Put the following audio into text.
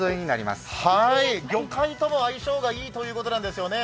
魚介とも相性がいいということなんですよね。